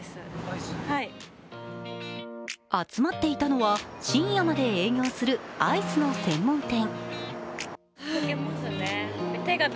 集まっていたのは深夜まで営業するアイスの専門店。